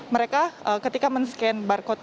mereka ketika men scan barcode